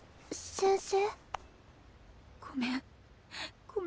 先生。